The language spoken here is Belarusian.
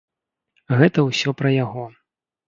Гэта ўсё пра яго.